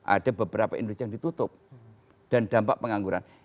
ada beberapa indonesia yang ditutup dan dampak pengangguran